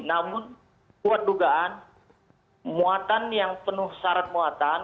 namun kuat dugaan muatan yang penuh syarat muatan